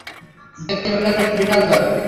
দেখতে পেলাম, একটি বিশাল দল।